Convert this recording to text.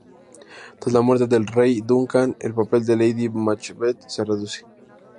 Tras la muerte del rey Duncan, el papel de lady Macbeth se reduce.